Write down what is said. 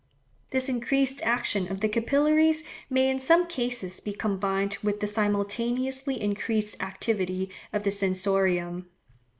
This increased action of the capillaries may in some cases be combined with the simultaneously increased activity of the sensorium.